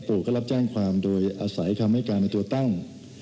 ก็รับแจ้งความโดยอาศัยคำให้การในตัวตั้ง